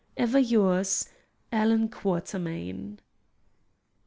Ever yours, ALLAN QUATERMAIN.